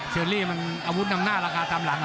เชอรี่มันอาวุธนำหน้าราคาตามหลัง